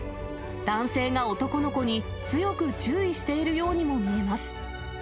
男性が男の子に強く注意しているようにも見えます。